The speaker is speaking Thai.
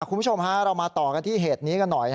คุณผู้ชมฮะเรามาต่อกันที่เหตุนี้กันหน่อย